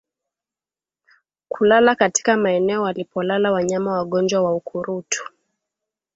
Kulala katika maeneo walipolala wanyama wagonjwa wa ukurutu